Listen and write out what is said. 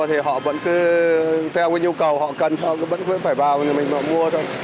thì họ vẫn cứ theo cái nhu cầu họ cần họ vẫn phải vào mình mua thôi